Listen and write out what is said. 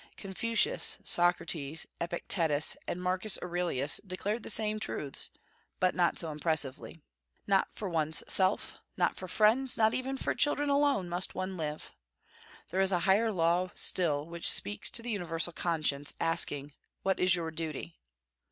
Confucius, Socrates, Epictetus, and Marcus Aurelius declared the same truths, but not so impressively. Not for one's self, not for friends, not even for children alone must one live. There is a higher law still which speaks to the universal conscience, asking, What is your duty?